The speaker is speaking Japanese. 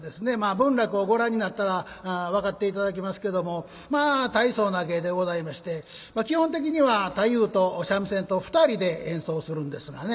文楽をご覧になったら分かって頂きますけどもまあ大層な芸でございまして基本的には太夫と三味線と２人で演奏するんですがね。